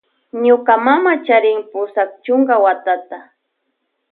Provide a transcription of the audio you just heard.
Ñuka mama charin pusak chuka watata.